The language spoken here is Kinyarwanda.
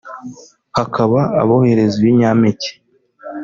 hakaba abohereza ibinyampeke